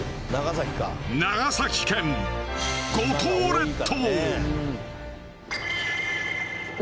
長崎県五島列島